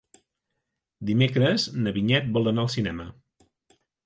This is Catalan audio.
Dimecres na Vinyet vol anar al cinema.